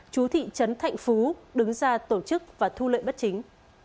chú thị trấn thạnh phú đứng ra tổ chức và thu lợi bất chính